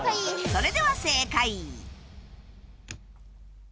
それでは正解